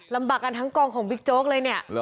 ลำบากกันทั้งกองของบิ๊กโจ๊กเลยเนี่ย